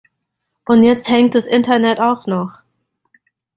Und jetzt hängt das Internet auch noch.